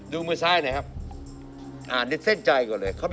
ดูมือซ้ายใหนครับ